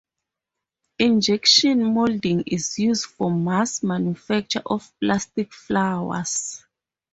Injection moulding is used for mass manufacture of plastic flowers.